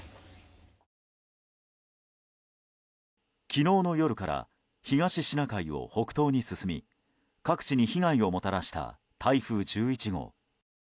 昨日の夜から東シナ海を北東に進み各地に被害をもたらした台風１１号。